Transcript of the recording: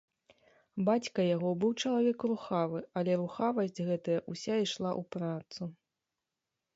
Бацька яго быў чалавек рухавы, але рухавасць гэтая ўся ішла ў працу.